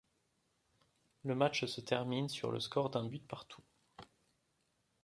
Le match se termine sur le score d'un but partout.